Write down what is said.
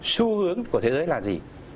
xu hướng của thế giới là gì